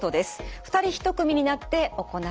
２人一組になって行います。